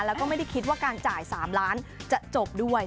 แล้วก็ไม่ได้คิดว่าการจ่าย๓ล้านจะจบด้วย